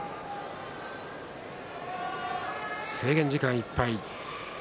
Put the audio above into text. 制限時間いっぱいです。